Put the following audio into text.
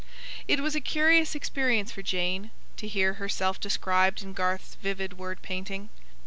It was a curious experience for Jane, to hear herself described in Garth's vivid word painting.